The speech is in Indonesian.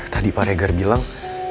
tadi pak regar bilang